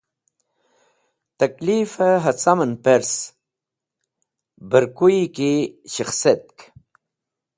Tẽkifẽ hacamẽn pers bẽr kuyi ki shẽkhsetk.